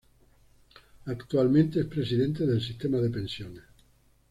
Actualmente es presidente del sistema de pensiones.